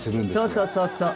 そうそうそうそう。